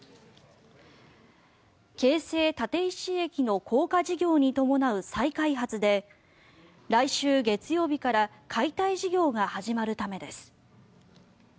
京成立石駅の高架事業に伴う再開発で来週月曜日から解体事業が始まるためです。